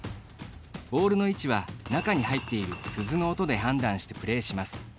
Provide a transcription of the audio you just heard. ボールの位置は、中に入っている鈴の音で判断してプレーします。